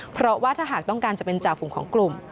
เพราะว่าถ้าหากต้องการจะเป็นจ่าฝุ่มของกลุ่ม